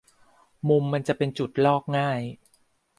มุมมันจะเป็นจุดลอกง่าย